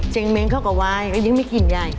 เจ๊งเหม็งเข้ากับไว้ก็ยิ่งไม่กินแย่